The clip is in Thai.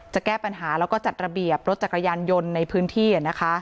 แก้ปัญหาแล้วก็จัดระเบียบรถจักรยานยนต์ในพื้นที่